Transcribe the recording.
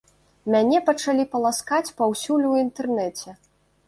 Мяне пачалі паласкаць паўсюль у інтэрнэце.